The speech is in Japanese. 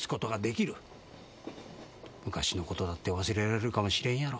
昔のことだって忘れられるかもしれんやろ。